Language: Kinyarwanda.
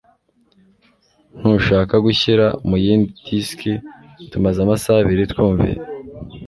Ntushaka gushyira muyindi disiki? Tumaze amasaha abiri twumva iyi.